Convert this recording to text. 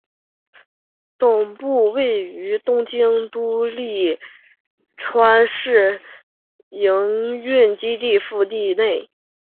总部位于东京都立川市营运基地敷地内。